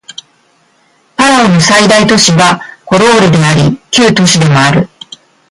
パラオの最大都市はコロールであり旧首都でもある